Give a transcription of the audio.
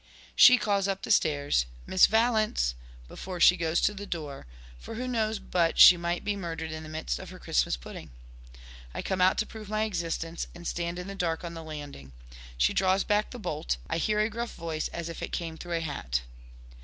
She calls up the stairs "Miss Valence!" before she goes to the door, for who knows but she might be murdered in the midst of her Christmas pudding? I come out to prove my existence and stand in the dark on the landing. She draws back the bolt; I hear a gruff voice as if it came through a hat.